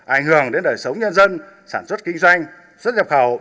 ảnh hưởng đến đời sống nhân dân sản xuất kinh doanh xuất nhập khẩu